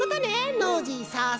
ノージーさっすが。